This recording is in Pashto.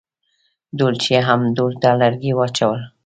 ډولچي هم ډول ته لرګي واچول.